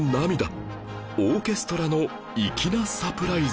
オーケストラの粋なサプライズ